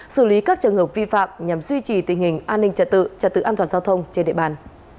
xử lý các trường hợp vi phạm nhằm duy trì tình hình an ninh trật tự trật tự an toàn giao thông trên địa bàn